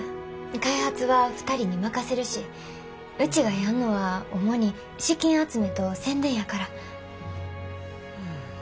開発は２人に任せるしうちがやんのは主に資金集めと宣伝やから。